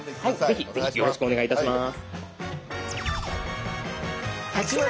ぜひぜひよろしくお願いいたします。